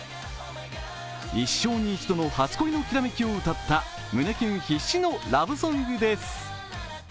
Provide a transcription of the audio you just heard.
一生に一度の初恋を歌った胸キュン必至のラブソングです。